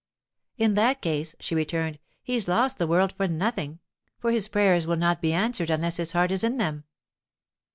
'In that case,' she returned, 'he's lost the world for nothing, for his prayers will not be answered unless his heart is in them.